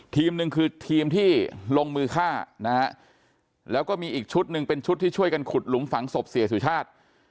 ทีมหนึ่งคือทีมที่ลงมือฆ่านะฮะแล้วก็มีอีกชุดหนึ่งเป็นชุดที่ช่วยกันขุดหลุมฝังศพเสียสุชาติ